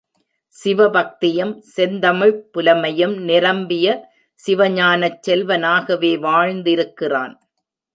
சிவபக்தியும் செந்தமிழ்ப் புலமையும் நிரம்பிய சிவஞானச் செல்வனாகவே வாழ்ந்திருக்கிறான்.